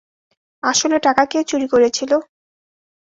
আসলে টাকা কে চুরি করেছিল?